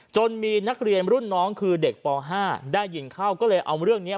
มีนักเรียนรุ่นน้องคือเด็กป๕ได้ยินเข้าก็เลยเอาเรื่องนี้